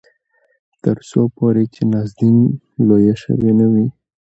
تر څو پورې چې نازنين لويه شوې نه وي.